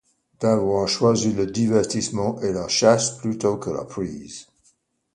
D’avoir choisi le divertissement, et la chasse plutôt que la prise.